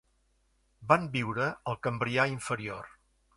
Van viure al Cambrià inferior.